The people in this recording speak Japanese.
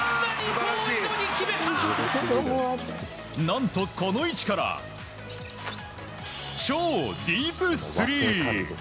何と、この位置から超ディープスリー。